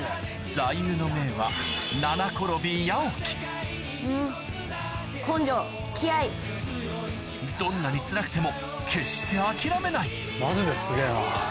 座右の銘はどんなにつらくても決してマジですげぇ。